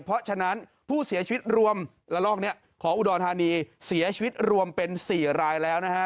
เพราะฉะนั้นผู้เสียชีวิตรวมละลอกนี้ของอุดรธานีเสียชีวิตรวมเป็น๔รายแล้วนะฮะ